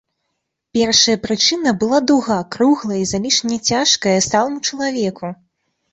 Першая прычына была дуга, круглая й залішне цяжкая й сталаму чалавеку.